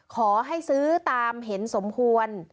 ขอให้ซื้อตามเห็นสมควร